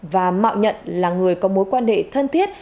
và mạo nhận là người có mối quan hệ thân thiết